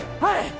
はい！